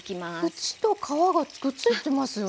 縁と皮がくっついてますよね。